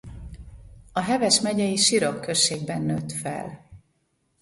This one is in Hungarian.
A Heves megyei Sirok községben nőtt fel.